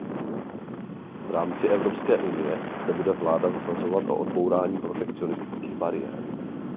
V rámci Evropské unie se bude vláda zasazovat o odbourání protekcionistických bariér.